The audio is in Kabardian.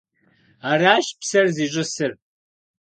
Аращ псэр зищӏысыр.